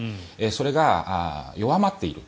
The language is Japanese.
それが弱まっている。